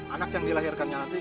anak yang dilahirkannya nanti